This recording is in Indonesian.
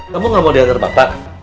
kamu nggak mau diantar bapak